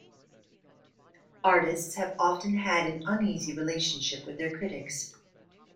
Artists have often had an uneasy relationship with their critics.